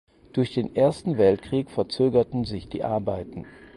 Durch den Ersten Weltkrieg verzögerten sich die Arbeiten.